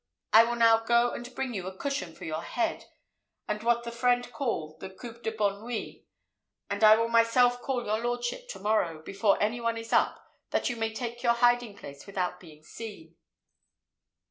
I will now go and bring you a cushion for your head, and what the French call the coupe de bonne nuit, and will myself call your lordship to morrow, before any one is up, that you may take your hiding place without being seen."